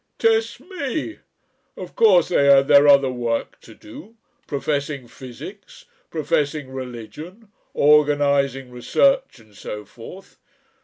Test me!... Of course they had their other work to do, professing physics, professing religion, organising research, and so forth.